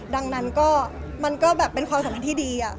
ดังนั้นก็มันก็แบบเป็นความสัมพันธ์ที่ดี